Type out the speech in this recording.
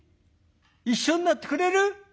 一緒になってくれる？